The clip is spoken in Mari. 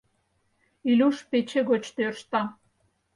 Илюш пече гоч тӧршта.